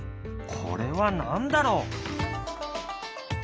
これは何だろう？